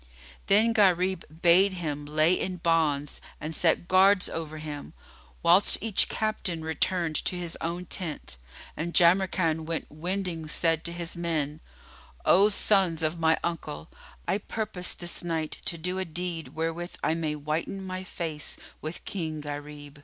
Then Gharib bade lay him in bonds and set guards over him, whilst each captain returned to his own tent, and Jamrkan while wending said to his men, "O sons of my uncle, I purpose this night to do a deed wherewith I may whiten my face with King Gharib."